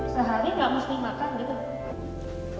sehari nggak mesti makan gitu